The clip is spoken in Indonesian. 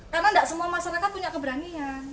karena enggak semua masyarakat punya keberanian